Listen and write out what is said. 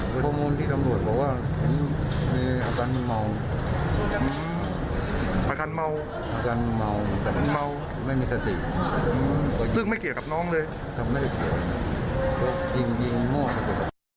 โปรโมนที่ตำรวจบอกว่ามีอาการเมาอาการเมาอาการเมาไม่มีสติซึ่งไม่เกี่ยวกับน้องเลยไม่เกี่ยวกับน้องยิงยิงม่วง